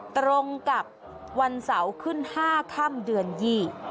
ตรงกับวันเสาร์ขึ้นห้าค่ำเดือนยี่